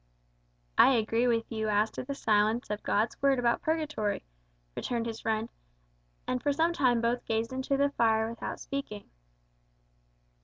"I agree with you as to the silence of God's Word about purgatory," returned his friend; and for some time both gazed into the fire without speaking.